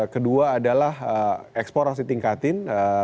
kedua adalah ekspor harus ditingkatin